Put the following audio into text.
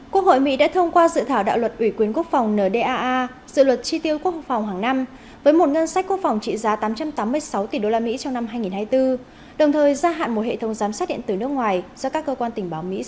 quốc hội mỹ đã thông qua dự thảo đạo luật ủy quyến quốc phòng ndaa dự luật tri tiêu quốc phòng hàng năm với một ngân sách quốc phòng trị giá tám trăm tám mươi sáu tỷ usd trong năm hai nghìn hai mươi bốn đồng thời gia hạn một hệ thống giám sát điện tử nước ngoài do các cơ quan tình báo mỹ